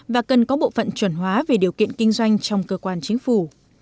và cần có bộ phận chuẩn hóa về điều kiện kinh doanh trong cơ quan chính phủ